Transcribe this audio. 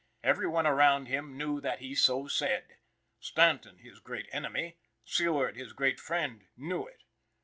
Every one around him knew that he so said. Stanton, his great enemy, Seward, his great friend, knew it.